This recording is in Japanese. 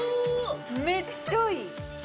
めっちゃいい！